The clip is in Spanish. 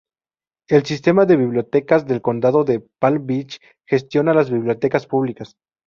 El Sistema de Bibliotecas del Condado de Palm Beach gestiona las bibliotecas públicas.